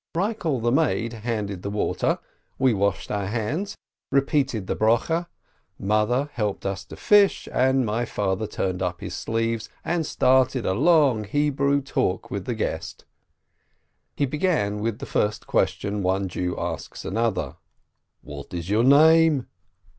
Eikel the maid handed the water, we washed our hands, repeated the Benediction, mother helped us to fish, and my father turned up his sleeves, and started a long Hebrew talk with the guest. He began with the first question one Jew asks another: "What is your name?"